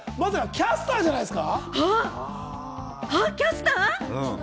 キャスター！？じゃないです。